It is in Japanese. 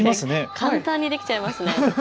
簡単にできちゃいますね。